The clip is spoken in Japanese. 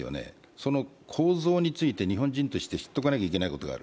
その構造について日本人として知っておかなきゃいけないことがある。